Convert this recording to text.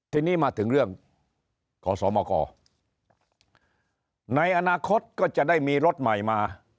ทีนี้มาถึงเรื่องขอสมกในอนาคตก็จะได้มีรถใหม่มา